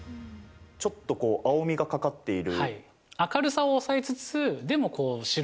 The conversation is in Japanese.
ちょっと青みがかっている。